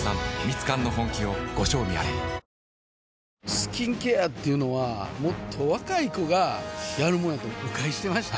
スキンケアっていうのはもっと若い子がやるもんやと誤解してました